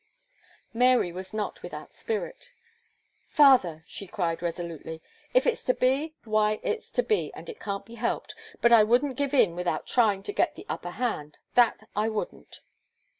Mary was not without spirit. "Father," she cried resolutely, "if it's to be, why, it's to be, and it can't be helped; but I wouldn't give in without trying to get the upper hand, that I wouldn't."